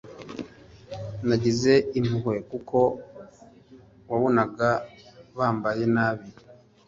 Nagize impuhwe kuko wabonaga bambaye nabi